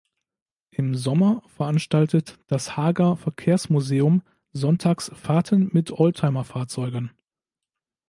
Im Sommer veranstaltet das Haager Verkehrsmuseum sonntags Fahrten mit Oldtimer-Fahrzeugen.